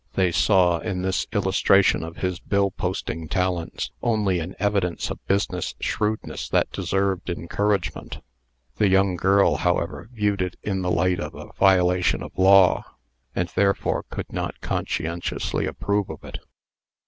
They saw, in this illustration of his bill posting talents, only an evidence of business shrewdness that deserved encouragement. The young girl, however, viewed it in the light of a violation of law, and therefore could not conscientiously approve of it.